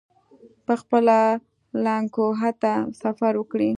پخپله لکنهو ته سفر وکړي.